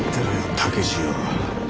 竹千代。